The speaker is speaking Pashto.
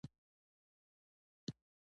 یوه افسر وویل: که زور وهي ډز پرې وکړئ.